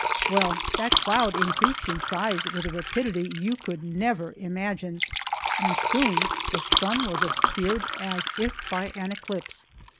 Well, that cloud increased in size with a rapidity you could never imagine, and soon the sun was obscured as if by an eclipse.